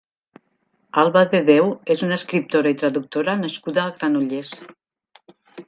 Alba Dedeu és una escriptora i traductora nascuda a Granollers.